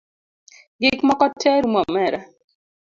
Gikmoko te rumo omera